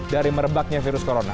dari merebaknya virus corona